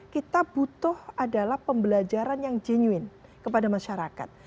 kita butuh adalah pembelajaran yang genuine kepada masyarakat